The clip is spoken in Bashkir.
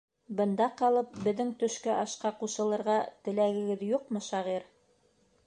Бында ҡалып, беҙҙең төшкө ашҡа ҡушылырға теләгегеҙ юҡмы, шағир?